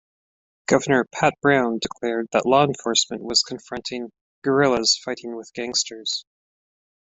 Governor Pat Brown declared that law enforcement was confronting "guerillas fighting with gangsters".